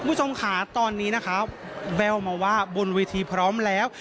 คุณผู้ชมขาตอนนี้นะคะแววมาว่าบนวิธีพร้อมแล้ว